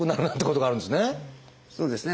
そうですね。